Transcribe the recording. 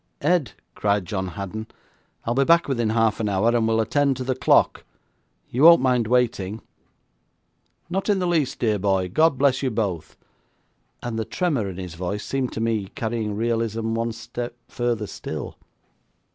'Ed,' cried John Haddon, I'll be back within half an hour, and we'll attend to the clock. You won't mind waiting?' 'Not in the least, dear boy. God bless you both,' and the tremor in his voice seemed to me carrying realism one step further still.